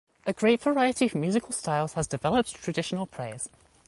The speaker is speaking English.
A great variety of musical styles has developed traditional praise.